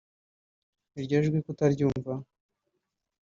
iryo jwi tukaryumva